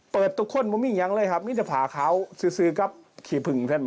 เปิดทุกคนมาหมิ่งยังเลยครับนี่แต่ผ่าเขาซื้อกับขี่ผึง